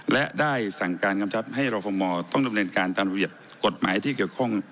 และได้สั่งการกำชับให้รอฟมต้องดำเนินการตามระเบียบกฎหมายที่เกี่ยวข้อง